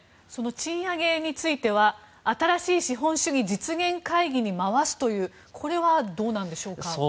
賃上げについては新しい資本主義実現会議に回すというこれはどうなんでしょうか？